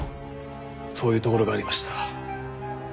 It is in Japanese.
そういうところがありました。